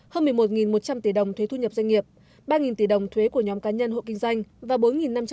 hơn một mươi một một trăm linh tỷ đồng thuế thu nhập doanh nghiệp ba tỷ đồng thuế của nhóm cá nhân hộ kinh doanh